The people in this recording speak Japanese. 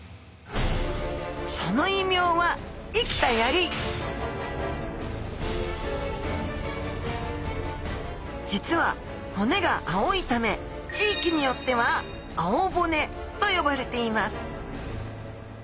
その異名は実は骨が青いため地域によってはあおぼねと呼ばれています